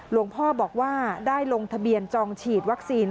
หลวงพ่อบอกว่าได้ลงทะเบียนจองฉีดวัคซีน